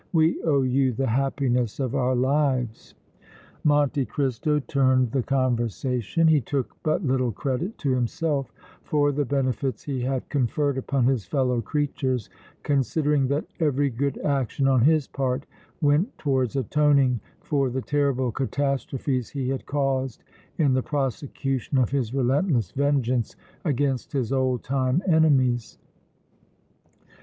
We owe you the happiness of our lives!" Monte Cristo turned the conversation; he took but little credit to himself for the benefits he had conferred upon his fellow creatures, considering that every good action on his part went towards atoning for the terrible catastrophes he had caused in the prosecution of his relentless vengeance against his old time enemies.